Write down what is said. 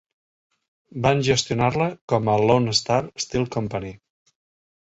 Van gestionar-la com a Lone Star Steel Company.